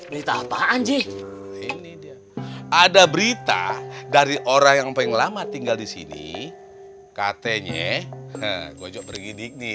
berita apaan ji ada berita dari orang yang paling lama tinggal di sini katanya gojo bergidik nih